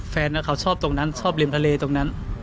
แฟนเขาชอบตรงนั้นชอบริมทะเลตรงนั้น